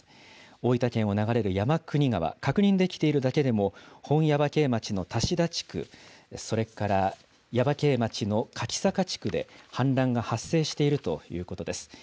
大分県を流れる山国川、確認できているだけでも本耶馬溪町の多志田地区、それから耶馬渓町の柿坂地区で氾濫が発生しているということです。